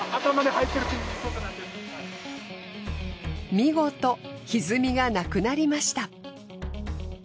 見事歪みがなくなりました。